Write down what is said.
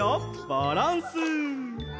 バランス！